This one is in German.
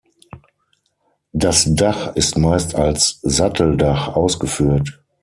Das Dach ist meist als Satteldach ausgeführt.